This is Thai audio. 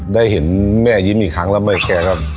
ได้เห็นแม่ยิ้มอีกครั้งแล้วเมื่อแกก็